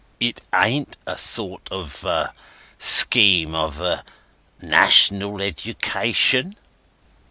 It ain't a sort of a—scheme of a—National Education?"